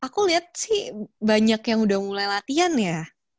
aku lihat sih banyak yang udah mulai latihan ya